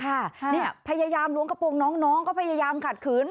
ค่ะนี่พยายามหลวงกระโปรงน้องก็พยายามขัดขืน